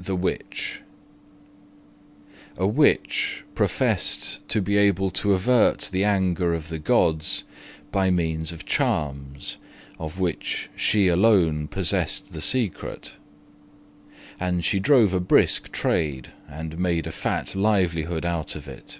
THE WITCH A Witch professed to be able to avert the anger of the gods by means of charms, of which she alone possessed the secret; and she drove a brisk trade, and made a fat livelihood out of it.